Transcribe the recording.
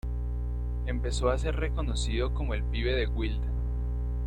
Empezó a ser reconocido como "El pibe de Wilde".